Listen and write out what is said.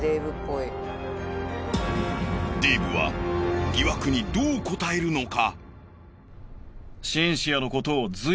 デイブは疑惑にどう答えるのか？